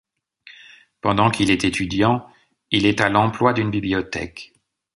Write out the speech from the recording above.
Pendant qu'il est étudiant, il est à l'emploi d'une bibliothèque.